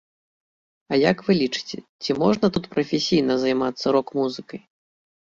А як вы лічыце, ці можна тут прафесійна займацца рок-музыкай?